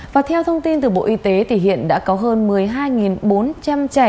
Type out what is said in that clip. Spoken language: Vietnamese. và theo thông tin từ bộ y tế thì hiện đã có hơn một mươi hai bốn trăm linh trẻ